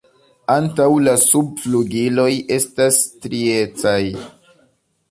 Ankaŭ la subflugiloj estas striecaj.